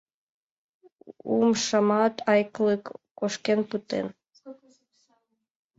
— Умшамат йыклык кошкен пытен...